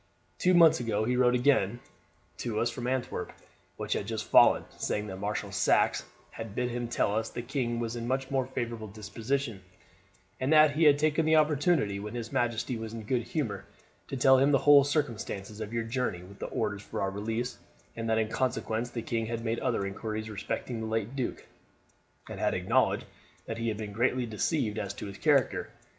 Two months ago he wrote again to us from Antwerp, which had just fallen, saying that Marshal Saxe had bid him tell us that the king was in a much more favourable disposition, and that he had taken the opportunity when his majesty was in a good humour to tell him the whole circumstances of your journey with the orders for our release, and that in consequence the king had made other inquiries respecting the late duke, and had acknowledged that he had been greatly deceived as to his character.